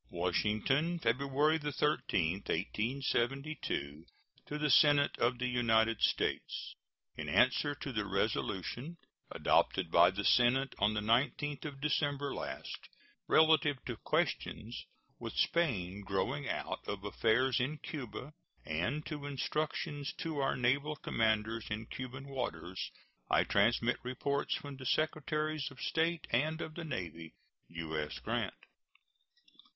] WASHINGTON, February 13, 1872. To the Senate of the United States: In answer to the resolution adopted by the Senate on the 19th of December last, relative to questions with Spain growing out of affairs in Cuba and to instructions to our naval commanders in Cuban waters, I transmit reports from the Secretaries of State and of the Navy. U.S. GRANT.